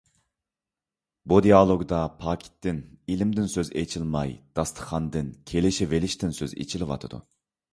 بۇ دېئالوگدا پاكىتتىن، ئىلىمدىن سۆز ئېچىلماي داستىخاندىن، كېلىشۋېلىشتىن سۆز ئىچىلىۋاتىدۇ.